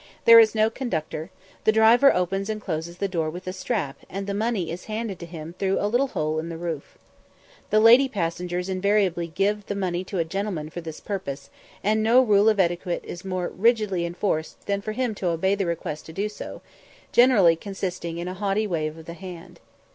There is no conductor; the driver opens and closes the door with a strap, and the money is handed to him through a little hole in the roof. The lady passengers invariably give the money to a gentleman for this purpose, and no rule of etiquette is more rigidly enforced than for him to obey the request to do so, generally consisting in a haughty wave of the hand.